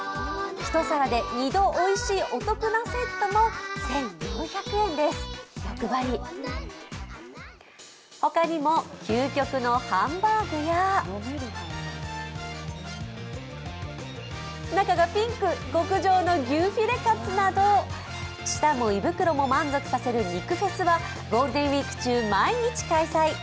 一皿で２度おいしいお得なセットも１４００円です、欲張りほかにも究極のハンバーグや中がピンク極上の牛フィレカツなど舌も胃袋も満足させる肉フェスはゴールデンウイーク中、毎日開催。